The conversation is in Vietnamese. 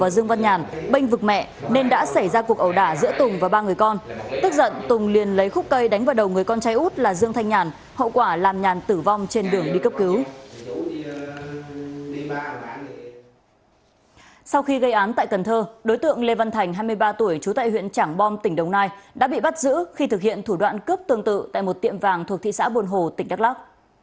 đã bị bắt giữ khi thực hiện thủ đoạn cướp tương tự tại một tiệm vàng thuộc thị xã buồn hồ tỉnh đắk lắc